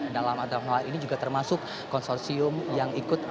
dalam hal ini juga termasuk konsorsium yang ikut